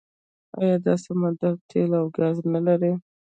آیا دا سمندر تیل او ګاز نلري؟